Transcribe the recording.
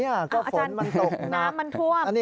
อาจารย์ฝนตกน้ำมันท่วม